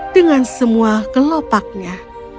dengan semua gelopaknya